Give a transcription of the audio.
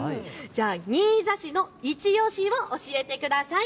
新座市のいちオシを教えてください。